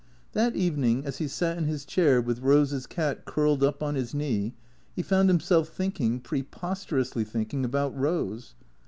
That evening, as he sat in his chair, with Rose's cat curled up on his knee, he found himself thinking, preposterously think ing, about Rose.